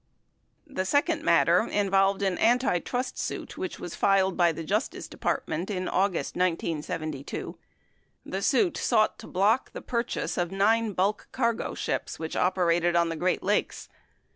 The second matter involved an antitrust suit which was filed by the Justice Department in August 1972. The suit sought to block the pur chase of nine bulk earsro ships which operated on the Great Lakes.